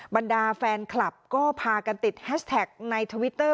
บรรดาแฟนคลับก็พากันติดแฮชแท็กในทวิตเตอร์